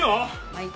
はい。